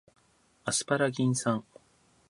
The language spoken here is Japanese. アスパラギン酸